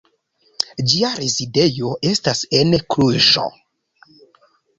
Ĝia rezidejo estas en Kluĵo.